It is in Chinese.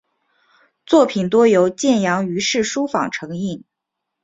作品多由建阳余氏书坊承印。